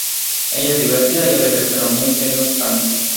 Ella es divertida y alegre, pero muy en serio su canto.